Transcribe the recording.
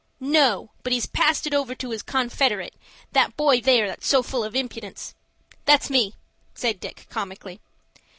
"No, but he's passed it over to his confederate, that boy there that's so full of impudence." "That's me," said Dick, comically.